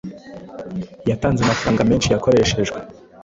yatanze amafaranga menshi yakoreshejwe